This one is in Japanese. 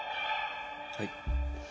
はい。